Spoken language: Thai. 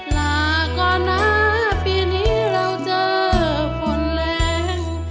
ลาก่อนนะปีนี้เราเจอฝนแรง